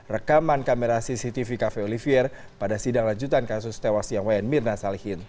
rekaman kamera cctv cafe olivier pada sidang lanjutan kasus tewas yang wayan mirna salihin